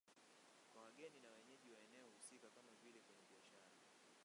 Kwa wageni na wenyeji wa eneo husika kama vile kwenye biashara